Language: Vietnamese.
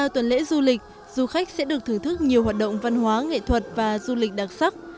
tuần lễ du lịch du khách sẽ được thưởng thức nhiều hoạt động văn hóa nghệ thuật và du lịch đặc sắc